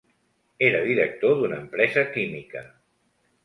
Era director d'una empresa química.